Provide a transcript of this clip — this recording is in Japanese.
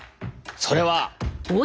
それは。